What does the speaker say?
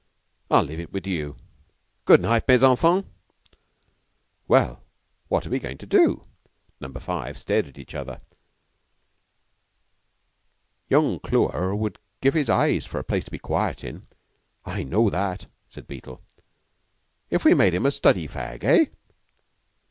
I'll leave it to you. Good night, mes enfants." "Well, what are we goin' to do?" Number Five stared at each other. "Young Clewer would give his eyes for a place to be quiet in. I know that," said Beetle. "If we made him a study fag, eh?"